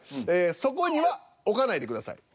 そこには置かないでください。